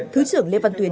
thứ trưởng lê văn tuyến